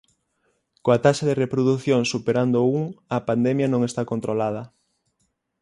Coa taxa de reprodución superando o un, a pandemia non está controlada.